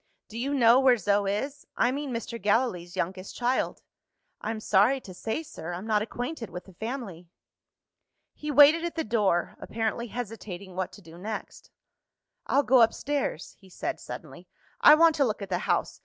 "Do you know where Zo is? I mean, Mr. Gallilee's youngest child." "I'm sorry to say, sir, I'm not acquainted with the family." He waited at the door, apparently hesitating what to do next. "I'll go upstairs," he said suddenly; "I want to look at the house.